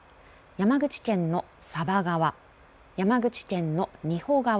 山口県の佐波川山口県の仁保川